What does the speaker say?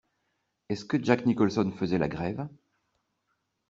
Est-ce que Jack Nicholson faisait la grève?